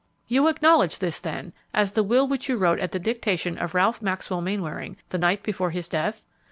"You acknowledge this, then, as the will which you wrote at the dictation of Ralph Maxwell Mainwaring the night before his death?"